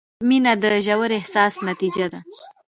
• مینه د ژور احساس نتیجه ده.